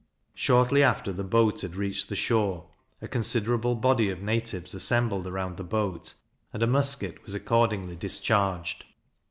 Shortly after the boat had reached the shore, a considerable body of natives assembled round the boat, and a musket was accordingly discharged.